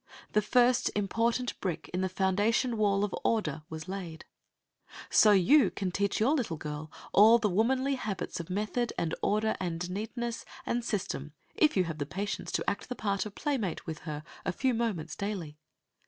The first important brick in the foundation wall of order was laid. So you can teach your little girl all the womanly habits of method, and order, and neatness, and system, if you have the patience to act the part of playmate with her a few moments daily.